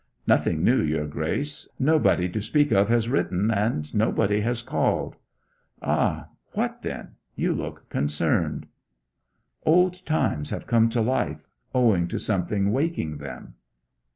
'Nothing new, your Grace. Nobody to speak of has written, and nobody has called.' 'Ah what then? You look concerned.' 'Old times have come to life, owing to something waking them.'